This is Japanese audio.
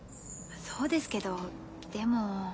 そうですけどでも。